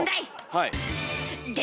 はい。